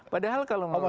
padahal kalau menurut saya